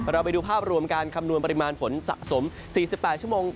ไปดูภาพรวมการคำนวณปริมาณฝนสะสม๔๘ชั่วโมง